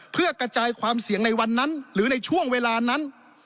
เพื่อกระจายความเสี่ยงในวันนั้นหรือในช่วงเวลานั้น